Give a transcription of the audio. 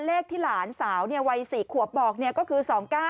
เลขที่หลานสาวใด๔ขวบบอกเนี่ยก็คือ๒๙